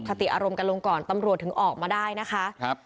ติดอารมณ์กันลงก่อนตำรวจถึงออกมาได้นะคะครับ